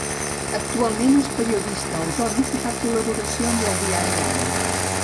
Actualment és periodista autònom i fa col·laboracions al Diari Ara.